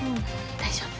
大丈夫。